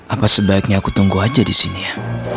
apa sebaiknya aku tunggu aja disini ya